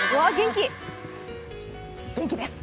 元気です。